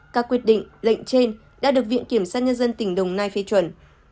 các quyết định lệnh trên đã được viện kiểm sát nhân dân tỉnh đồng nai phê chuẩn